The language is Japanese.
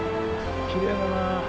きれいだな。